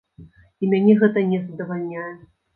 І мяне гэта не задавальняе.